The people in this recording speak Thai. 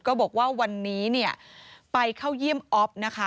ก็บอกว่าวันนี้ไปเข้ายิ่มออฟฟ์